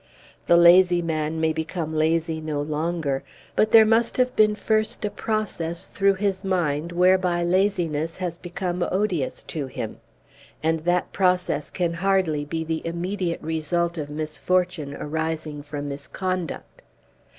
The lazy man may become lazy no longer, but there must have been first a process through his mind whereby laziness has become odious to him. And that process can hardly be the immediate result of misfortune arising from misconduct.